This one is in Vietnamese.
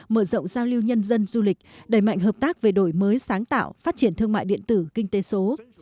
mở rộng giao lưu nhân dân du lịch đẩy mạnh hợp tác về đổi mới sáng tạo phát triển thương mại điện tử kinh tế số